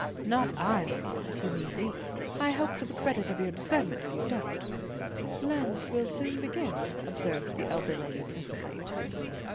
"Not I, mamma; if you mean me. I hope for the credit of your discernment you don't." "Lent will begin soon," observed the elder lady presently.